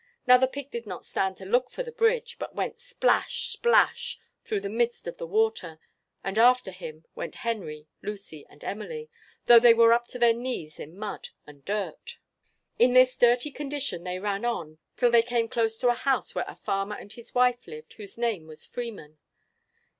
Now the pig did not stand to look for the bridge, but went splash, splash, through the midst of the water: and after him went Henry, Lucy, and Emily, though they were up to their knees in mud and dirt. [Illustration: "Away he ran into the garden, followed by Lucy and Emily." Page 39.] In this dirty condition they ran on till they came close to a house where a farmer and his wife lived whose name was Freeman.